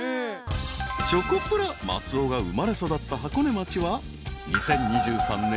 ［チョコプラ松尾が生まれ育った箱根町は］